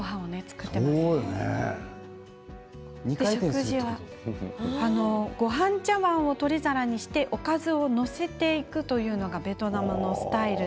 食事はごはん茶わんを取り皿にしておかずを載せていくのがベトナムのスタイル。